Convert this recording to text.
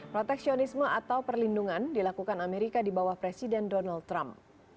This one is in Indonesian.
proteksionisme atau perlindungan dilakukan amerika di bawah presiden donald trump